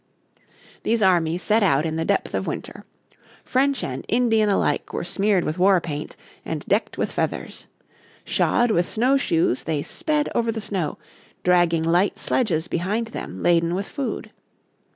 These armies set out in the depth of winter. French and Indian alike were smeared with war paint and decked with feathers. Shod with snow shoes they sped over the snow, dragging light sledges behind them laden with food.